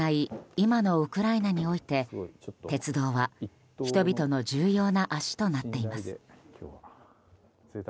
今のウクライナにおいて鉄道は人々の重要な足となっています。